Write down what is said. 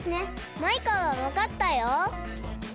マイカはわかったよ。